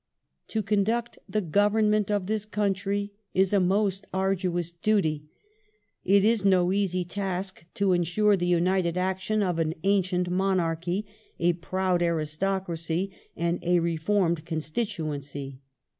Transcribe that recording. "To conduct the Government of this country is a most arduous duty. ... It is no easy task to ensure the united action of an ancient monarchy, a proud aristocracy, and a reformed constituency.